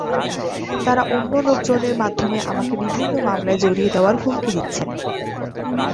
তাঁরা অন্য লোকজনের মাধ্যমে আমাকে বিভিন্ন মামলায় জড়িয়ে দেওয়ার হুমকি দিচ্ছেন।